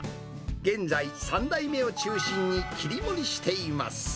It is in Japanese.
現在、３代目を中心に切り盛りしています。